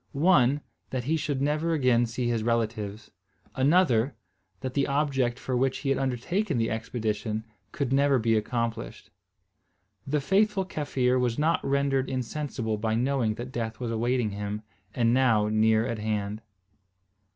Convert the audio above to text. One, that he should never again see his relatives; another, that the object for which he had undertaken the expedition could never be accomplished. The faithful Kaffir was not rendered insensible by knowing that death was awaiting him, and now near at hand.